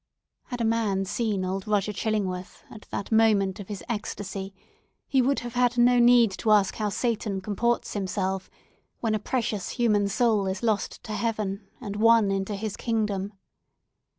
Had a man seen old Roger Chillingworth, at that moment of his ecstasy, he would have had no need to ask how Satan comports himself when a precious human soul is lost to heaven, and won into his kingdom.